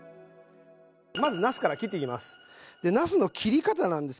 まずなすから切っていきます。